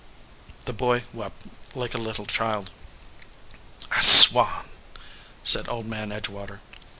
The boy wept like a little child. "I swan !" said Old Man Edgewater.